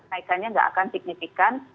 naikannya nggak akan signifikan